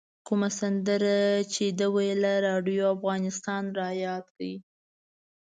کومه سندره چې ده ویله راډیو افغانستان رایاد کړ.